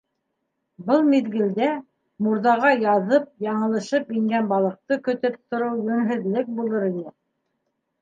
Был миҙгелдә мурҙаға яҙып-яңылышып ингән балыҡты көтөп тороу йүнһеҙлек булыр ине.